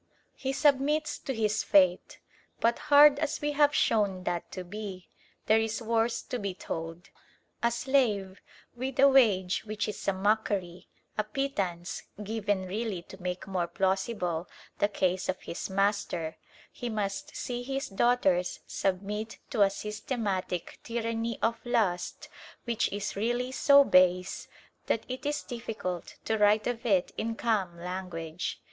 He submits to his fate; but hard as we have shown that to be, there is worse to be told. A slave, with a wage which is a mockery, a pittance, given really to make more plausible the case of his master, he must see his daughters submit to a systematic tyranny of lust which is really so base that it is difficult to write of it in calm language.